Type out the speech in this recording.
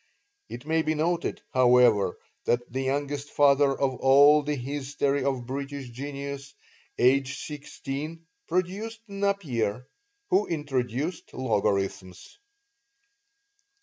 (It may be noted, however, that the youngest father of all the history of British genius, aged sixteen, produced Napier, who introduced logarithms.)